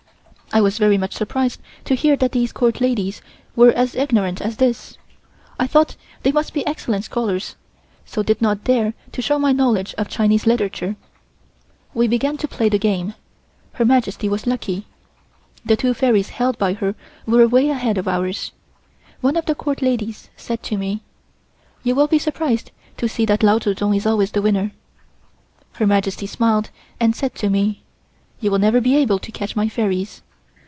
I was very much surprised to hear that these Court ladies were as ignorant as this. I thought they must be excellent scholars, so did not dare to show my knowledge of Chinese literature. We began to play the game. Her Majesty was lucky. The two fairies held by her were way ahead of ours. One of the Court ladies said to me: "You will be surprised to see that Lao Tsu Tsung is always the winner." Her Majesty smiled and said to me: "You will never be able to catch my fairies."